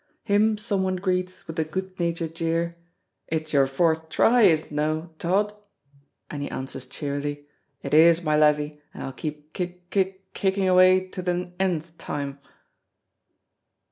Him someone greets with the good natured jeer, "It's your fourth try, is it no, Tod?" and he answers cheerily, "It is, my lathie, and I'll keep kick, kick, kicking away to the _n_th time."